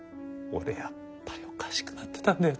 俺やっぱりおかしくなってたんだよ